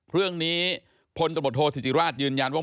เรื่องนี้พลตำรวจโทษศิษย์ธิราชยืนยันว่า